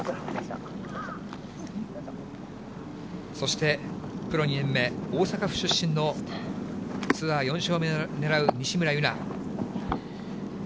そして、プロ２年目、大阪府出身の、ツアー４勝目を狙う西村優菜。